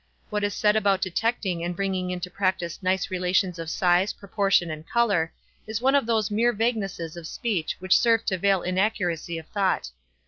What is said about detecting and bringing into practice nice relations of size, proportion, and color, is one of those mere vaguenesses of speech which serve to veil inaccuracy of thought.